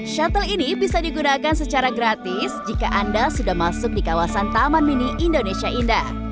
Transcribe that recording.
shuttle ini bisa digunakan secara gratis jika anda sudah masuk di kawasan taman mini indonesia indah